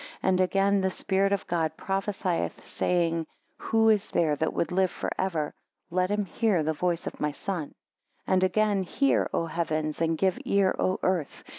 And again the Spirit of God prophesieth, saying: Who is there that would live for ever, let him hear the voice of my Son. 4 And again, Hear, O Heavens, and give ear O Earth!